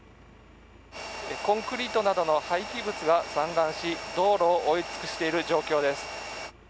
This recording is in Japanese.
コンクリートなどの廃棄物が散乱し道路を覆い尽くしている状況です。